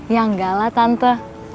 ya enggak lah tante